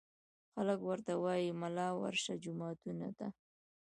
خلک ورته وايي ملا ورشه جوماتونو ته